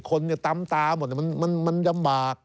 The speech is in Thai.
คนเนี่ยตามตาหมดมันยำบาก